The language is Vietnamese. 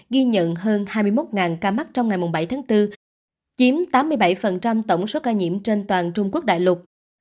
ghi nhận hơn hai mươi một ca mắc trong ngày bảy tháng bốn chiếm tám mươi bảy tổng số ca nhiễm trên toàn trung quốc đại lục